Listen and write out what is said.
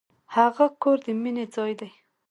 هغه کور د مینې ځای و.